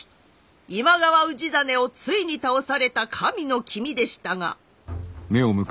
今川氏真をついに倒された神の君でしたが。